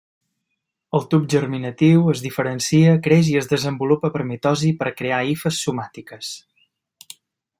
El tub germinatiu es diferencia, creix i es desenvolupa per mitosi per crear hifes somàtiques.